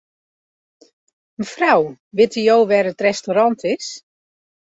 Mefrou, witte jo wêr't it restaurant is?